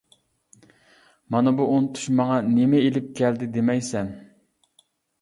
مانا بۇ ئۇنتۇش ماڭا نېمە ئېلىپ كەلدى دېمەيسەن.